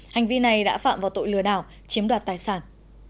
hành vi này đã phạm vào tội lừa đảo chiếm đoạt tài sản